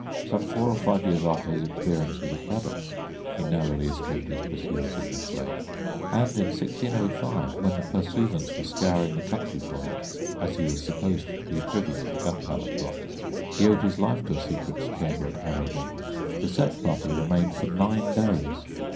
Some four or five years after his experiences at Braddocks he narrowly escaped his pursuers in this way; and in 1605, when the "pursuivants" were scouring the country for him, as he was supposed to be privy to the Gunpowder Plot, he owed his life to a secret chamber at Harrowden. The search party remained for nine days.